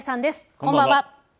こんばんは。